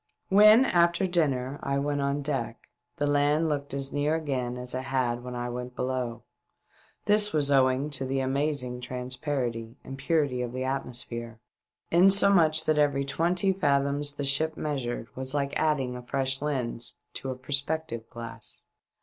When, after dining, I went on deck, the land looked as near again as it had when I went below. This was owing to the amazing transparency and purity of the atmosphere, insomuch that every twenty fathoms the ship measured was like adding a fresh lens to a perspective glass.